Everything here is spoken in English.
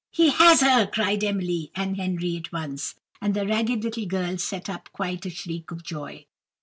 "He has her!" cried Emily and Henry at once, and the ragged little girl set up quite a shriek of joy.